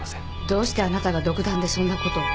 どうしてあなたが独断でそんなことを？